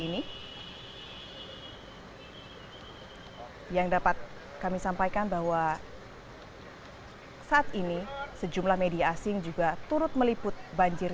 ini yang dapat kami sampaikan bahwa saat ini sejumlah media asing juga turut meliput banjir